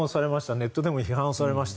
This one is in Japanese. ネットでも批判されました。